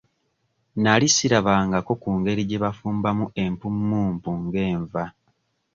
Nali sirabangako ku ngeri gye bafumbamu empummumpu ng'enva.